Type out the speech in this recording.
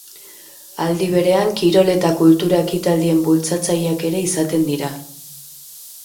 Aldi berean, kirol eta kultura ekitaldien bultzatzaileak ere izaten dira.